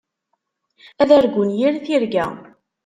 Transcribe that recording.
Ad argun yir tirga.